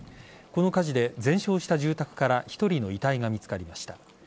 この火事で全焼した住宅から１人の遺体が見つかりました。